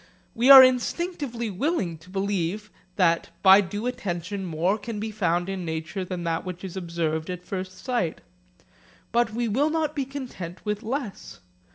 We are instinctively willing to believe that by due attention, more can be found in nature than that which is observed at first sight. But we will not be content with less.